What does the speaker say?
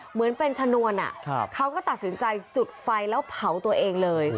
เหมือนเป็นชนวนเขาก็ตัดสินใจจุดไฟแล้วเผาตัวเองเลย